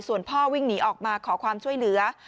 ส่วนพ่อวิ่งหนีออกมาขอความช่วยเหลือ